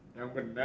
yang benar om